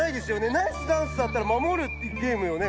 ナイスダンスだったら守るってゲームよね？